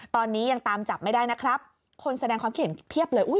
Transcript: ตอนนี้ยังตามจับไม่ได้นะครับคนแสดงความคิดเห็นเพียบเลยอุ้ย